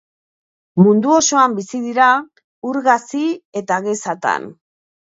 Mundu osoan bizi dira, ur gazi eta gezatan.